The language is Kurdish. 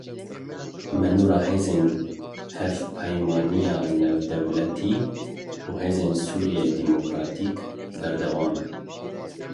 Manora hêzên Hevpeymaniya Navdewletî û Hêzên Sûriya Demokratîk berdewam e.